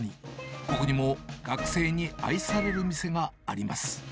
ここにも学生に愛される店があります。